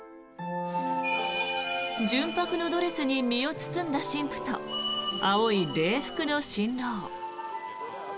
純白のドレスに身を包んだ新婦と青い礼服の新郎。